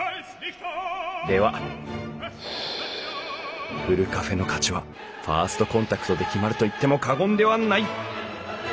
ではふるカフェの価値はファーストコンタクトで決まると言っても過言ではない。